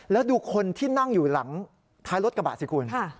แล้วดูคนที่นั่งอยู่หลังท้ายรถกระบะสิคุณ